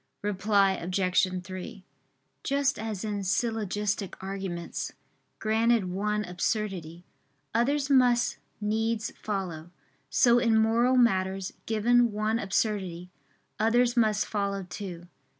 Reply Obj. 3: Just as in syllogistic arguments, granted one absurdity, others must needs follow; so in moral matters, given one absurdity, others must follow too.